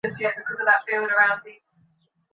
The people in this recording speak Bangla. তিনি রাজনীতিতে যোগ দিয়েছিলেন।